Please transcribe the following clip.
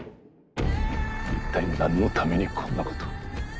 一体何のためにこんなことを。